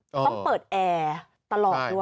ต้องเปิดแอร์ตลอดด้วย